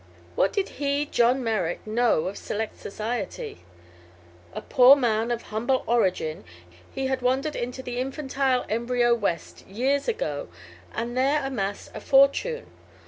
What did he, John Merrick, know of select society? A poor man, of humble origin, he had wandered into the infantile, embryo West years ago and there amassed a fortune.